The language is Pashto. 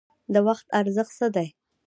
د وخت ارزښت څه دی؟